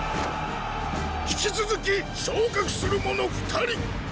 引き続き昇格する者二人！